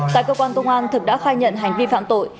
tại cơ quan công an thực đã khai nhận hành vi phạm tội